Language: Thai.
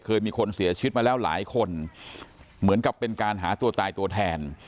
เคยมีคนเสียชีวิตมาแล้วหลายคนเหมือนกับเป็นการหาตัวตายตัวแทน